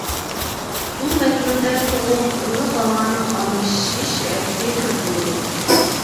بۇ مەزگىلدە سوغۇق ئىللىق ھاۋانىڭ ئالمىشىش ھەرىكىتى كۆپ بولىدۇ.